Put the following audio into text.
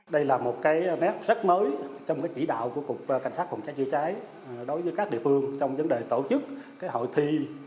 đây là một cái nét rất mới trong chỉ đạo của cục cảnh sát phòng cháy chữa cháy đối với các địa phương trong vấn đề tổ chức hội thi